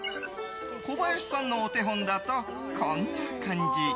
小林さんのお手本だとこんな感じ。